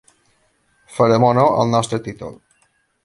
Farem honor al nostre títol.